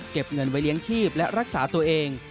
เก็บเงินไว้เลี้ยงชีพและรักษาตัวเอง